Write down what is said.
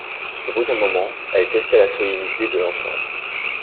Au bout d’un moment, elle testa la solidité de l’ensemble.